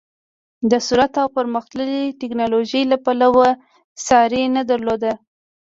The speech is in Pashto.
د ثروت او پرمختللې ټکنالوژۍ له پلوه ساری نه درلود.